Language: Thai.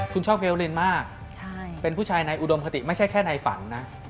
คุณชอบเวลเลนมากเป็นผู้ชายในอุดมคติไม่ใช่แค่ในฝันนะ